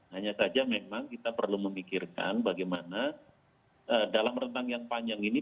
hanya saja memang kita perlu memikirkan bagaimana dalam rentang yang panjang ini